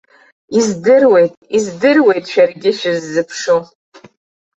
Издыруеит, издыруеит шәаргьы шәыззыԥшу.